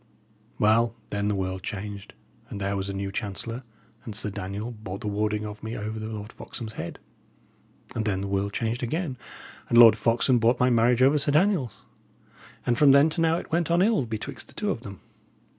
Well, then the world changed, and there was a new chancellor, and Sir Daniel bought the warding of me over the Lord Foxham's head. And then the world changed again, and Lord Foxham bought my marriage over Sir Daniel's; and from then to now it went on ill betwixt the two of them.